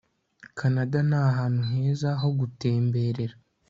Kanada ni ahantu heza ho gutemberera